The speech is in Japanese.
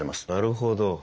なるほど。